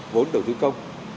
vốn đầu tư công